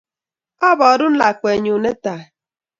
Aporun lakwenyu ne tai